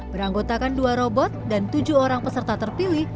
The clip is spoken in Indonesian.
beranggotakan dua robot dan tujuh orang peserta terpilih